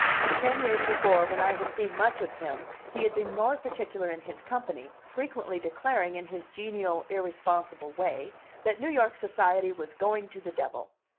Ten years before, when I had seen much of him, he had been more particular in his company, frequently declaring in his genial, irresponsible way that New York society was going to the devil.